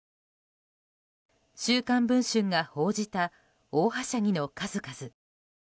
「週刊文春」が報じた大はしゃぎの数々。